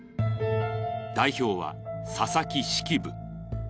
代表は佐々木式部。